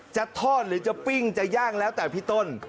จะทอดหรือจะปิ้งจะย่างแล้วแต่พี่ต้น